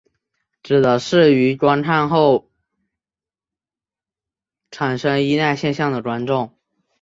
指的是于观看过后产生依赖现象的观众。